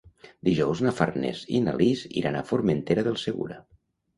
Dijous na Farners i na Lis iran a Formentera del Segura.